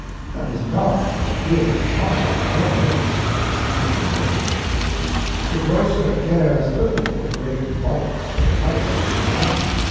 That is not what gives the profit or rfiakes the distin guishing difference. The grocer cares little for the great bulk of the price of his tea.